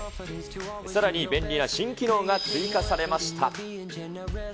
さらに便利な新機能が追加されました。